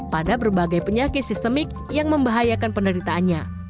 pada berbagai penyakit sistemik yang membahayakan penderitaannya